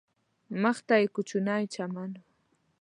مخ ته یې کوچنی چمن و.